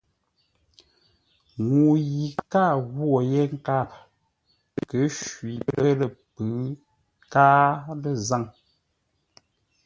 Ŋuu yi káa ghwô yé nkâp kə̂ shwî pə́ lə̂ pʉ̌ʉ káa lə̂ zâŋ.